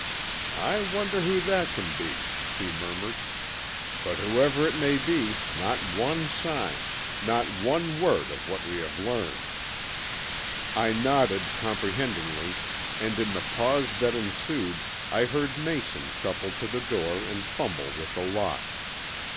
"I wonder who that can be," he murmured, "but whoever it may be, not one sign, not one word of what we have learned." I nodded comprehendingly, and in the pause that ensued I heard Mason shuffle to the door and fumble with the lock.